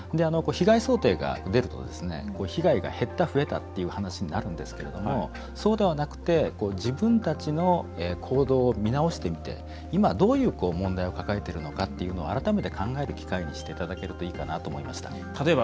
被害想定が出ると被害が減った増えたという話になるんですけれどもそうではなくて、自分たちの行動を見直してみて今、どういう問題を抱えているのかを改めて考える機会にしていただけるといいかなと思いました。